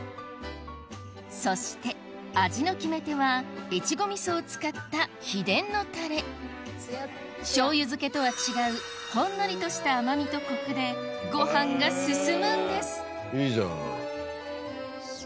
そして味の決め手は越後味噌を使った秘伝のタレしょうゆ漬けとは違うほんのりとした甘みとコクでご飯が進むんですいいじゃん。